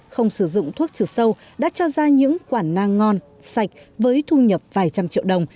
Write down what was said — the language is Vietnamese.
không sử dụng thuốc trừ sâu đã cho ra những quả na ngon sạch với thu nhập vài trăm triệu đồng